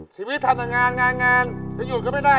ชีวิตทำงานแต่หยุดก็ไม่ได้